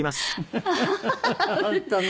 本当ね。